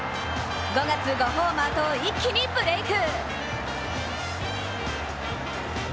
５月、５ホーマーと一気にブレーク。